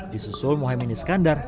di susul muhammad iskandar